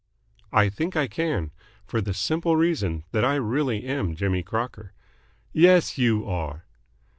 "I think I can. For the simple reason that I really am Jimmy Crocker." "Yes, you are."